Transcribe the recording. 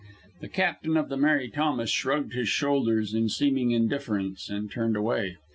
The captain of the Mary Thomas shrugged his shoulders in seeming indifference, and turned away.